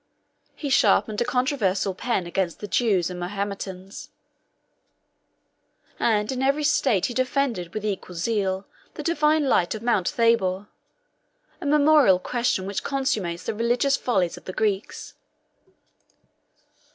He sharpened a controversial pen against the Jews and Mahometans; 38 and in every state he defended with equal zeal the divine light of Mount Thabor, a memorable question which consummates the religious follies of the Greeks.